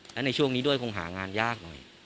และในช่วงนี้ด้วยคงหางานยากหน่อย